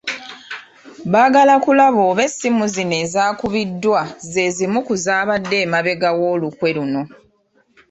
Baagala kulaba oba essimu zino ezaakubiddwa ze zimu ku zaabadde emabega w’olukwe luno.